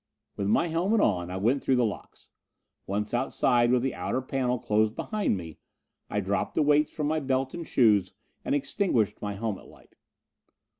With my helmet on I went through the locks. Once outside, with the outer panel closed behind me, I dropped the weights from my belt and shoes and extinguished my helmet light.